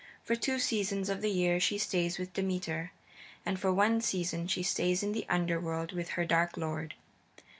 For two seasons of the year she stays with Demeter, and for one season she stays in the Underworld with her dark lord.